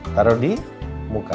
taruh di muka